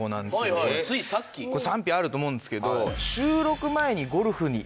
これ賛否あると思うんですけど。